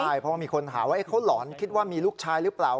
ใช่เพราะว่ามีคนถามว่าเขาหลอนคิดว่ามีลูกชายหรือเปล่า